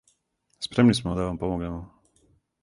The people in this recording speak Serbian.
Спремни смо да вам помогнемо.